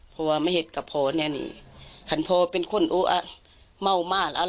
เพราะไม่เห็นกับท่านในละทีอย่างเกินมวกเมนของท่าน